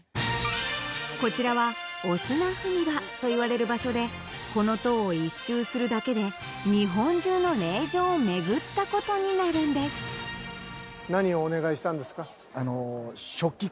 こちらはお砂踏み場といわれる場所でこの塔を一周するだけで日本中の霊場を巡ったことになるんです何をお願いしたんですか？